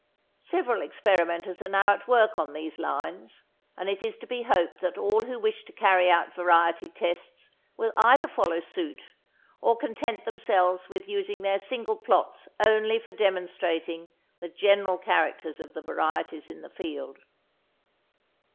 Several experimenters are now at work on these lines, and it is to be hoped that all who wish to carry out variety tests will either follow suit, or content themselves with using their single plots only for demonstrating the general characters of the varieties in the field.